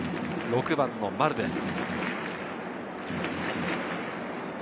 ６番・丸です。